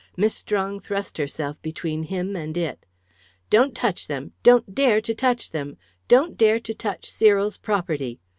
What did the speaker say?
Miss Strong thrust herself between him and it. "Don't touch them don't dare to touch them! Don't dare to touch Cyril's property!